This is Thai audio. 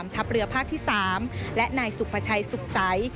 ทับเรือภาคที่๓และนสุขพชัยสุขสัย